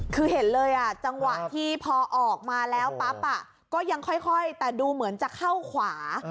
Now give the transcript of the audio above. คือเห็นเลยจังหวะที่พอออกมาแล้วปั๊บก็ยังค่อยแต่ดูเหมือนจะเข้าขวา